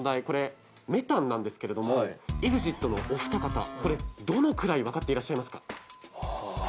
これメタンなんですけれどもＥＸＩＴのお二方どのくらい分かっていらっしゃいますか？